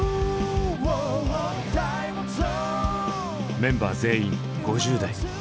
メンバー全員５０代。